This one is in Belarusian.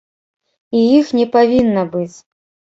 І іх не павінна быць.